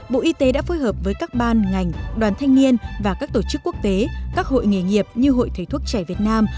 bộ y tế đã phối hợp với các ban ngành đoàn thanh niên và các tổ chức quốc tế các hội nghề nghiệp như hội thầy thuốc trẻ việt nam